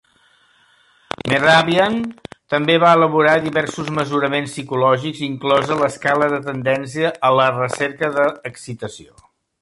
Mehrabian també va elaborar diversos mesuraments psicològics, inclosa l'"Escala de tendència a la recerca de excitació".